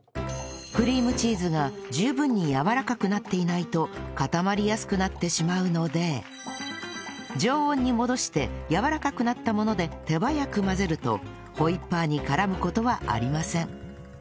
クリームチーズが十分にやわらかくなっていないと固まりやすくなってしまうので常温に戻してやわらかくなったもので手早く混ぜるとホイッパーに絡む事はありません